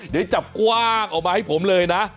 เดี๋ยวจับกว้างออกมาให้ผมเลยนะ